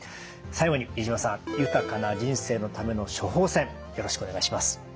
最後に飯島さん豊かな人生のための処方せんよろしくお願いします。